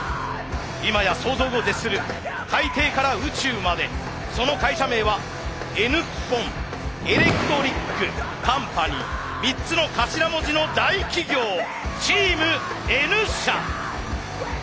今や想像を絶する海底から宇宙までその会社名はＮッポンエレクトリックカンパニー３つの頭文字の大企業チームＮ社。